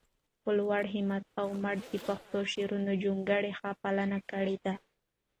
په لوړ همت او مټ د پښتو شاعرانه جونګړې ښه پالنه کړي ده